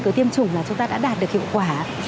tới tiêm chủng là chúng ta đã đạt được hiệu quả